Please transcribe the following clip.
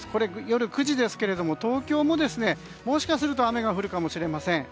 夜９時ですけれども東京ももしかすると雨が降るかもしれません。